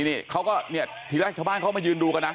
นี่เขาก็เนี่ยทีแรกชาวบ้านเขามายืนดูกันนะ